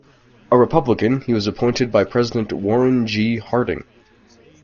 A Republican, he was appointed by President Warren G. Harding.